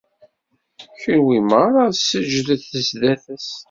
Kunwi merra, seǧǧdet sdat-s!